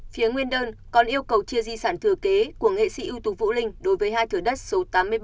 phía nguyên đơn còn yêu cầu chia di sản thừa kế của nghệ sĩ ưu tục vũ linh đối với hai thừa đất số tám mươi bảy tám mươi tám